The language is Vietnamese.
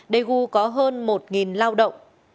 daegu có hơn một lao động